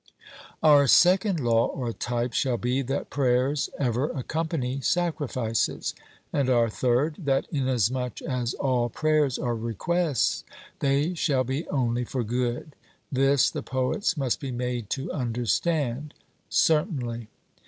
Our second law or type shall be, that prayers ever accompany sacrifices; and our third, that, inasmuch as all prayers are requests, they shall be only for good; this the poets must be made to understand. 'Certainly.'